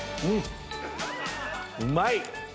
うまい！